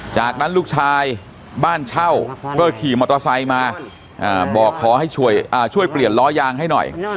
จากนั้นลูกชายบ้านเช่าก็ขี่มอเตอร์ไซค์มาบอกขอให้ช่วยเปลี่ยนล้อยางให้หน่อย